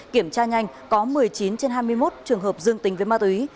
kiểm tra nhanh có một mươi chín trên hai mươi một trường hợp dương tình với ma túy